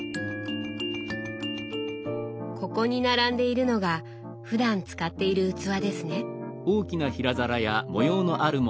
ここに並んでいるのがふだん使っている器ですね。